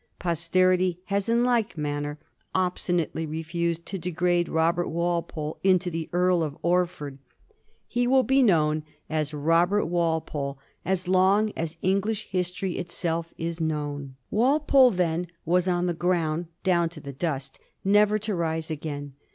Posterity has in like manner obstinately refused to degrade Robert Walpole into the Earl of Orford. He will be known 1742. THE NEW ADMINISTRATION. 191 as Robert Walpole so long as English history itself is known. Walpole, then, was on the ground — down in the dost — never to rise again.